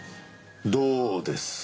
どうですか？